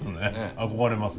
憧れますね。